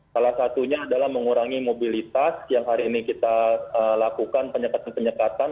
salah satunya adalah mengurangi mobilitas yang hari ini kita lakukan penyekatan penyekatan